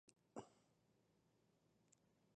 スニーカーを履いて寝ると夢の中でも走っている